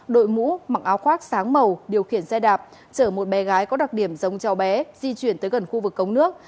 đội mũ mặc áo khoác sáng màu điều khiển xe đạp chở một bé gái có đặc điểm giống cháu bé di chuyển tới gần khu vực cống nước